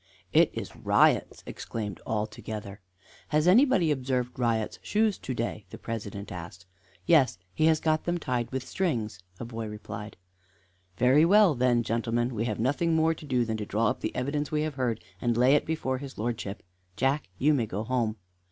"It is Riot's!" exclaimed all together. "Has anybody observed Riot's shoes to day?" the President asked. "Yes; he has got them tied with strings," a boy replied. "Very well, then, gentlemen, we have nothing more to do than to draw up the evidence we have heard, and lay it before his lordship. Jack, you may go home."